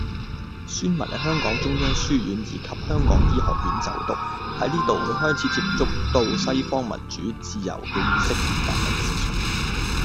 孫文喺香港中央書院以及香港醫學院就讀，喺呢度佢開始接觸到西方民主、自由嘅意識同革命思想